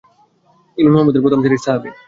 বলল, ইনি মুহাম্মদের প্রথম সারির সাহাবী।